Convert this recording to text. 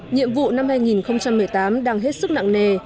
nhiệm vụ năm hai nghìn một mươi tám đang hết sức nặng nề